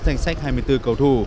danh sách hai mươi bốn cầu thủ